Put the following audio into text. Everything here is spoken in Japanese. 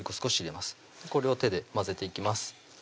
これを手で混ぜていきます